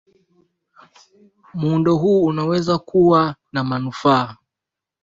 muundo huu unaweza kuwa na manufaa